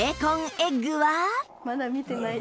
まだ見てない。